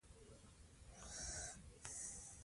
د ماشومانو په مخونو کې مسکا راولئ.